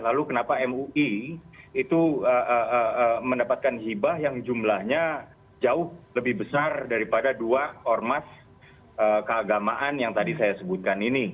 lalu kenapa mui itu mendapatkan hibah yang jumlahnya jauh lebih besar daripada dua ormas keagamaan yang tadi saya sebutkan ini